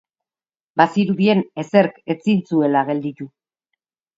Bazirudien ezerk ezin zuela gelditu.